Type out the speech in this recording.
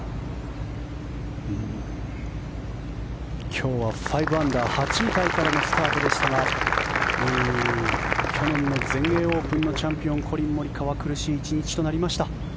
今日は５アンダー８位タイからのスタートでしたが去年の全英オープンのチャンピオンコリン・モリカワ苦しい１日となりました。